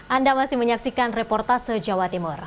anda masih menyaksikan reportase jawa timur